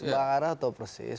pak ara tahu persis